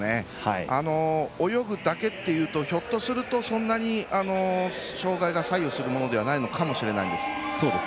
泳ぐだけっていうとひょっとするとそんなに、障がいが左右するものではないかもしれないです。